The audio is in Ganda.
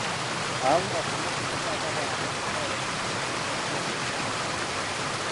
Abamu basome kumakya ate abalala basome olweggulo okusobola okukendeeza omujjuzo.